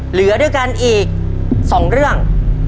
เหลือด้วยกันอีก๒เรื่อง